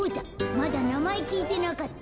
まだなまえきいてなかった。